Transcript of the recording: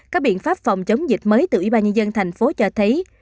các biện pháp phòng chống dịch mới từ ủy ban nhân dân thành phố cho thấy